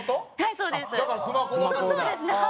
そうですねはい。